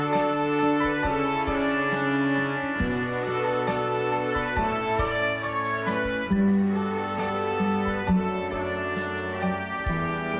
โปรดติดตามตอนต่อไป